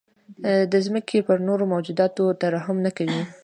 د ځمکې په نورو موجوداتو ترحم نه کوئ.